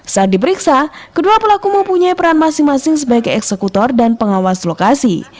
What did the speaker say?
saat diperiksa kedua pelaku mempunyai peran masing masing sebagai eksekutor dan pengawas lokasi